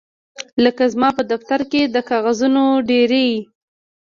لکه زما په دفتر کې د کاغذونو ډیرۍ